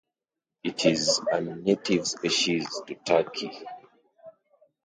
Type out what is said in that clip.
It is an native species to Turkey.